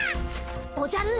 おじゃる。